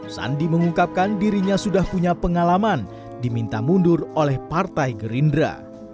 sandi mengungkapkan dirinya sudah punya pengalaman diminta mundur oleh partai gerindra